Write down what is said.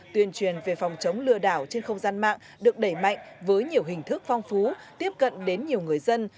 tuyên truyền về phòng chống lừa đảo trên không gian mạng được đẩy mạnh với nhiều hình thức phong phú tiếp cận đến nhiều người dân